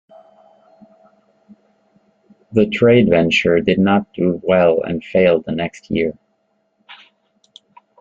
The trade venture did not do well and failed the next year.